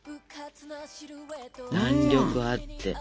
弾力あって。